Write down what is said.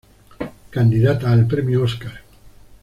Candidata al Premio Oscar.